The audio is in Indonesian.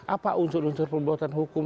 apa unsur unsur perbuatan hukum